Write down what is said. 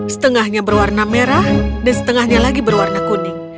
setengahnya berwarna merah dan setengahnya lagi berwarna kuning